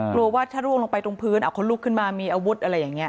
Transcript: กลัวว่าถ้าร่วงลงไปตรงพื้นเขาลุกขึ้นมามีอาวุธอะไรอย่างนี้